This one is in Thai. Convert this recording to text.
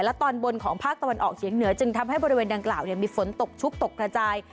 และตอนบนของภาคตะวันออกเฉียงเหนือจึงทำให้บริเวณดังกล่าวมีฝนตกชุกตกกระจาย